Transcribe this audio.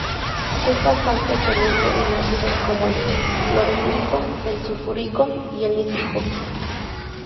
Es bastante soluble en ácidos como el clorhídrico, el sulfúrico y el nítrico.